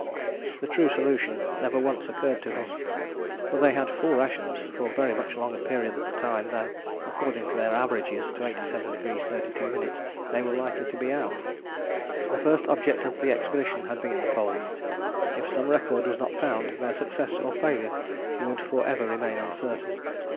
The true solution never once occurred to us, for they had full rations for a very much longer period of time than, according to their averages to 87° 32´, they were likely to be out. The first object of the expedition had been the Pole. If some record was not found, their success or failure would for ever remain uncertain.